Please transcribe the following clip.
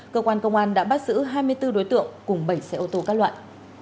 cơ quan công an đã bắt giữ hai mươi bốn đối tượng cùng bảy xe ô tô cát loạn